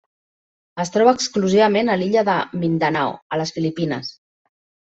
Es troba exclusivament a l'illa de Mindanao, a les Filipines.